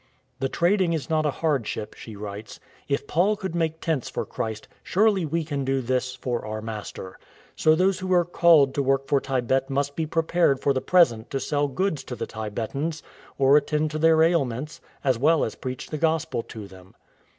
" The trading is not a hardship,*" she writes. " If Paul could make tents for Christ, surely we can do this for our Master. So those who are 'called' to work for Tibet must be prepared for the present to sell goods to the Tibetans or attend to their ailments, as well as preach the Gospel to them.''